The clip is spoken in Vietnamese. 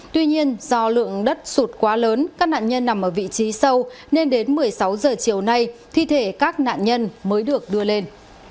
tuy nhiên do lượng đất sụt quá lớn các nạn nhân nằm ở vị trí sâu nên đến một mươi sáu h chiều nay thi thể các nạn nhân mới được đưa lên